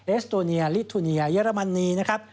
เอสโตเนียลิทูเนียเยอรมนีนะครับ